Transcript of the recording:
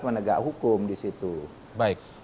menegak hukum disitu baik